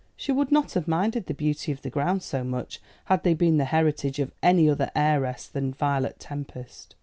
She would not have minded the beauty of the grounds so much had they been the heritage of any other heiress than Violet Tempest.